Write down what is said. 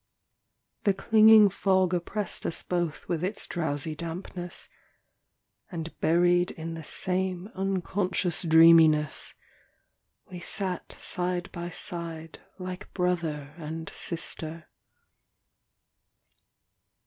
The clinging fog oppressed us both with its drowsy dampness ; and buried in the same un 318 POEMS IN PROSE conscious dreaminess, we sat side by side like brother and sister.